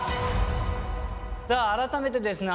さあ改めてですね